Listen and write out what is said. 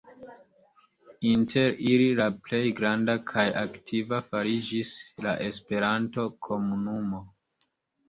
Inter ili la plej granda kaj aktiva fariĝis la Esperanto-komunumo.